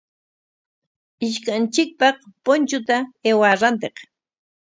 Ishkanchikpaq punchuta aywaa rantiq.